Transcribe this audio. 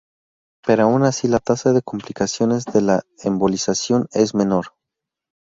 Pero aun así la tasa de complicaciones de la embolización es menor.